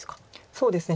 そうですね